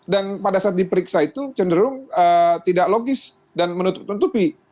dan pada saat diperiksa itu cenderung tidak logis dan menutup tutupi